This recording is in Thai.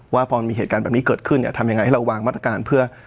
ว่าพอมีเหตุการณ์แบบนี้เกิดขึ้นเนี่ยทำยังไงให้เราวางมาตรการเพื่อ